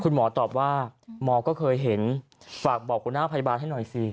คุณหมอตอบว่าหมอก็เคยเห็นฝากบอกหัวหน้าพยาบาลให้หน่อยสิ